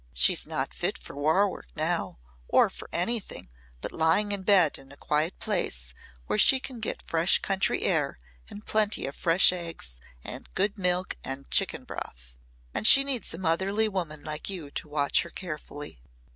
She's not fit for war work now or for anything but lying in bed in a quiet place where she can get fresh country air and plenty of fresh eggs, and good milk and chicken broth. And she needs a motherly woman like you to watch her carefully."